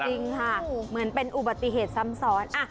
จริงค่ะเหมือนเป็นอุบัติเหตุซ้ำซ้อน